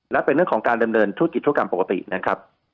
และเป็นเรื่องของการดำเนินธุรกิจธุรกรรมปกตินะครับ